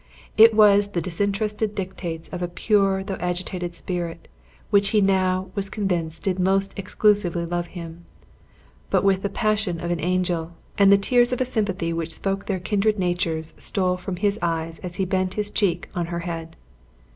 It was the disinterested dictates of a pure though agitated spirit, which he now was convinced did most exclusively love him, but with the passion of an angel; and the tears of a sympathy which spoke their kindred natures stole from his eyes as he bent his cheek on her head.